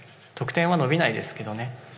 得点は伸びないですけどね。